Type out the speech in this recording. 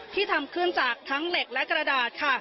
ที่ทำขึ้นจากทั้งเหล็กและกระดาษค่ะ